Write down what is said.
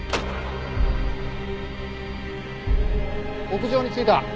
屋上に着いた。